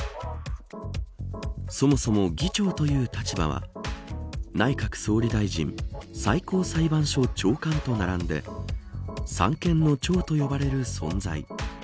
そもそも、議長という立場は内閣総理大臣最高裁判所長官と並んで三権の長と呼ばれる存在。